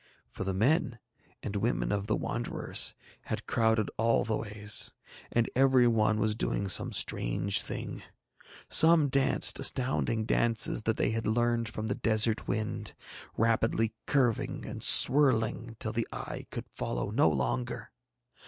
For the men and women of the Wanderers had crowded all the ways, and every one was doing some strange thing. Some danced astounding dances that they had learned from the desert wind, rapidly curving and swirling till the eye could follow no longer.